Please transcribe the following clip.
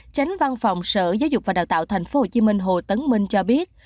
tránh văn phòng sở giáo dục và đào tạo tp hcm hồ tấn minh cho biết